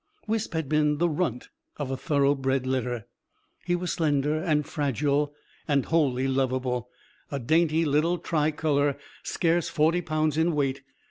Wisp had been the runt of a thoroughbred litter. He was slender and fragile and wholly lovable; a dainty little tricolour, scarce forty pounds in weight.